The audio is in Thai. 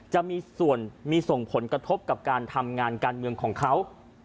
จะมีส่วนมีส่งผลกระทบกับการทำงานการเมืองของเขา